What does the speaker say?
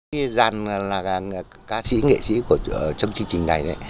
khi dàn là ca sĩ nghệ sĩ trong chương trình này